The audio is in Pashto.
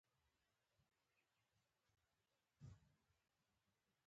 موساخېل د بښتنو ښکلې سیمه ده